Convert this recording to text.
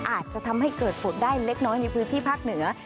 อาจจะทำให้เกิดฝนได้เล็กน้อยในพื้นที่ภาคเหนือ